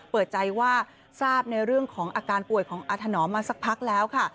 เปิดใจว่าทราบในเรื่องของอาการป่วยของอาถนอมมาสักพักแล้วค่ะ